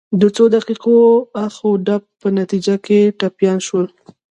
د څو دقیقو اخ و ډب په نتیجه کې ټپیان شول.